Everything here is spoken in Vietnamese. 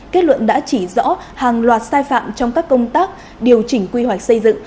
kết luận đã chỉ rõ hàng loạt sai phạm trong các công tác điều chỉnh quy hoạch xây dựng